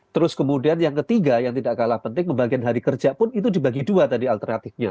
terus kemudian yang ketiga yang tidak kalah penting pembagian hari kerja pun itu dibagi dua tadi alternatifnya